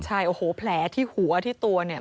ใช่โอ้โหแผลที่หัวที่ตัวเนี่ย